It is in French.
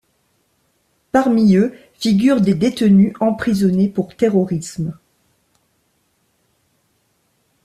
Parmi eux figurent des détenus emprisonnés pour terrorisme.